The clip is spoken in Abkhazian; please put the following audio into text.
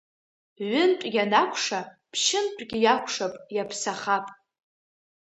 Ҩынтә ианакәша, ԥшьынтәгьы иакәшап, иаԥсахап.